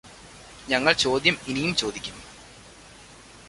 ഞങ്ങൾ ചോദ്യം ഇനിയും ചോദിക്കും.